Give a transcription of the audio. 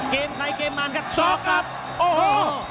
เกมใดเกมมานครับศอกกลับโอ้โห